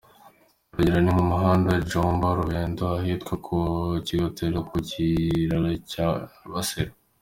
Urugero ni nk’umuhanda Jomba-Rurembo, ahitwa ku Kirogotero ku kiraro cya Basera.